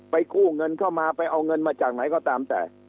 กู้เงินเข้ามาไปเอาเงินมาจากไหนก็ตามแต่